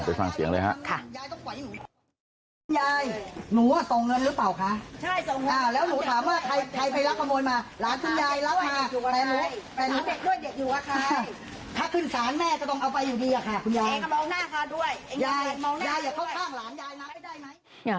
ไปฟังเสียงเลยฮะ